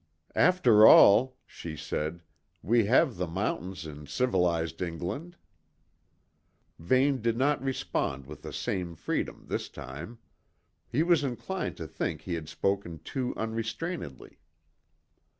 "After all," she said, "we have the mountains in civilised England." Vane did not respond with the same freedom this time. He was inclined to think he had spoken too unrestrainedly.